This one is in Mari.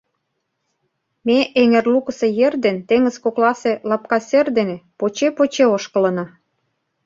Ме эҥер лукысо ер ден теҥыз кокласе лапка сер дене поче-поче ошкылына.